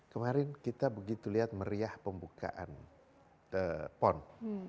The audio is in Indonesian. kemarin kita begitu lihat meriah pembukaan pon